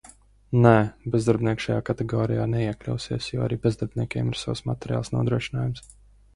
Nē, bezdarbnieki šajā kategorijā neiekļausies, jo arī bezdarbniekiem ir savs materiāls nodrošinājums.